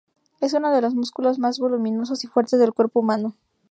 Es uno de los músculos más voluminosos y fuertes del cuerpo humano.